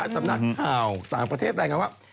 สำนักข่าวต่างประเทศรายงานว่า